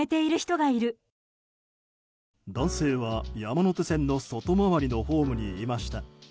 男性は山手線の外回りのホームにいました。